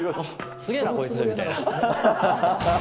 すげーな、こいつみたいな。